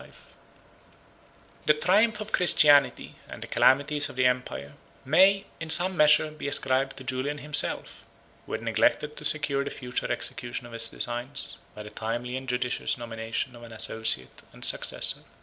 ] The triumph of Christianity, and the calamities of the empire, may, in some measure, be ascribed to Julian himself, who had neglected to secure the future execution of his designs, by the timely and judicious nomination of an associate and successor.